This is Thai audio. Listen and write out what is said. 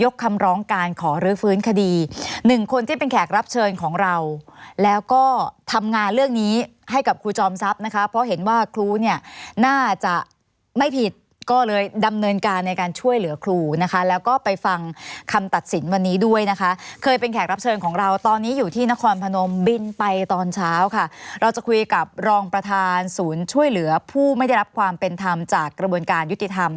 คำร้องการขอรื้อฟื้นคดีหนึ่งคนที่เป็นแขกรับเชิญของเราแล้วก็ทำงานเรื่องนี้ให้กับครูจอมทรัพย์นะคะเพราะเห็นว่าครูเนี่ยน่าจะไม่ผิดก็เลยดำเนินการในการช่วยเหลือครูนะคะแล้วก็ไปฟังคำตัดสินวันนี้ด้วยนะคะเคยเป็นแขกรับเชิญของเราตอนนี้อยู่ที่นครพนมบินไปตอนเช้าค่ะเราจะคุยกับรองประธานศูนย์ช่วยเหลือผู้ไม่ได้รับความเป็นธรรมจากกระบวนการยุติธรรม